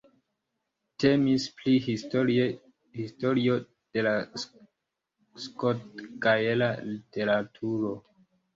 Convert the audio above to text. Temis pri historio de la skotgaela literaturo.